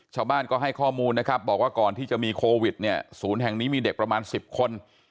ชาวบ้านก็ให้ข้อมูลนะครับบอกว่าก่อนที่จะมีโควิดเนี่ยศูนย์แห่งนี้มีเด็กประมาณ๑๐คน